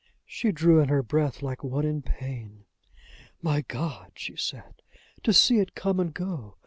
She drew in her breath like one in pain. "My God!" she said, "to see it come and go!